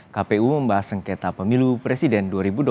kpu membahas sengketa pemilu presiden dua ribu dua puluh